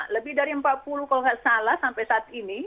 lebih dari empat puluh kalau nggak salah sampai saat ini